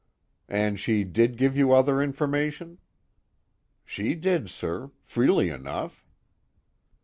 "And she did give you other information?" "She did, sir, freely enough."